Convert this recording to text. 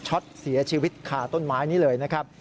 เสียชีวิตคาต้นไม้นี้เลยนะครับ